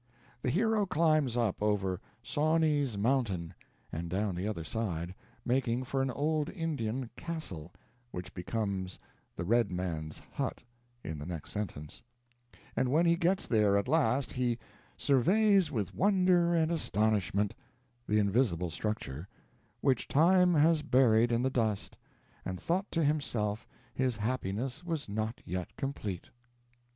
The hero climbs up over "Sawney's Mountain," and down the other side, making for an old Indian "castle" which becomes "the red man's hut" in the next sentence; and when he gets there at last, he "surveys with wonder and astonishment" the invisible structure, "which time has buried in the dust, and thought to himself his happiness was not yet complete."